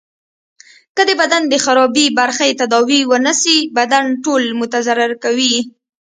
که د بدن د خرابي برخی تداوي ونه سي بدن ټول متضرر کوي.